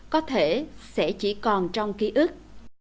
có thể sẽ chỉ còn trong ký ức